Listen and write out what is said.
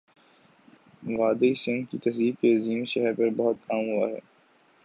وادیٔ سندھ کی تہذیب کے عظیم شہر پر بہت کام ہوا ہے